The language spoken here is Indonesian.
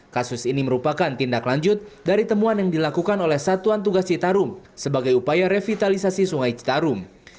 kasus ini merupakan tindak lanjut dari temuan yang dilakukan oleh satuan tugas citarum sebagai upaya revitalisasi sungai citarum